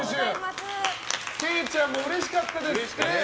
惠ちゃんもうれしかったですって。